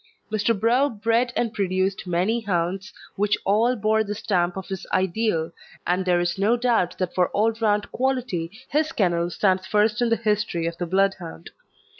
Mr. Brough bred and produced many hounds, which all bore the stamp of his ideal, and there is no doubt that for all round quality his kennel stands first in the history of the Bloodhound.